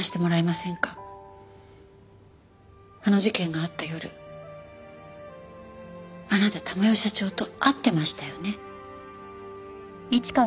あの事件があった夜あなた珠代社長と会ってましたよね？